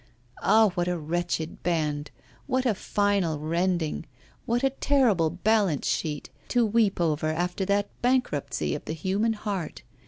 Ah! what a wretched band, what a final rending, what a terrible balance sheet to weep over after that bankruptcy of the human heart!